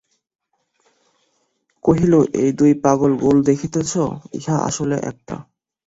কহিল, এই-যে দুটো গোল দেখিতেছ, ইহা আসলে একটা।